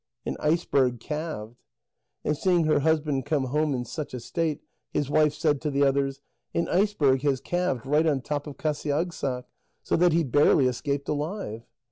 "An iceberg calved." And seeing her husband come home in such a case, his wife said to the others: "An iceberg has calved right on top of Qasiagssaq, so that he barely escaped alive."